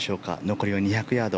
残りは２００ヤード。